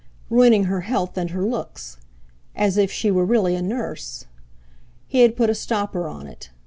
Ruining her health and her looks! As if she were really a nurse! He had put a stopper on it.